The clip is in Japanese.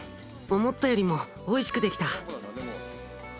思ったよりもおいしくできた。